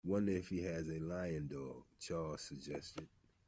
Wonder if he's a lion dog, Charles suggested.